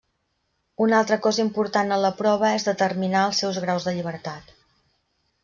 Una altra cosa important en la prova és determinar els seus graus de llibertat.